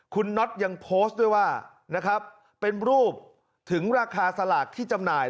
คุณน็อตยังโพสต์ด้วยว่านะครับเป็นรูปถึงราคาสลากที่จำหน่าย